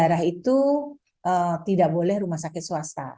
karena untuk mengelola darah itu tidak boleh rumah sakit swasta